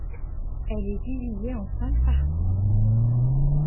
Elle est divisée en cinq parties.